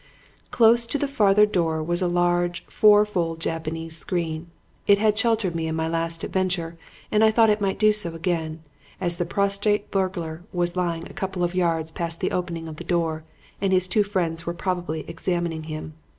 "Close to the farther door was a large, four fold Japanese screen. It had sheltered me in my last adventure and I thought it might do so again, as the prostrate burglar was lying a couple of yards past the opening of the door and his two friends were probably examining him.